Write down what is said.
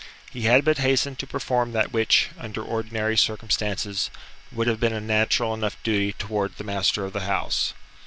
He had but hastened to perform that which, under ordinary circumstances, would have been a natural enough duty towards the master of the house.